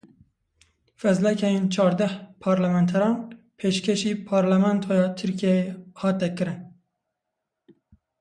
Felzekeyên çardeh parlamenteran pêşkêşî Parlamentoya Tirkiyeyê hate kirin.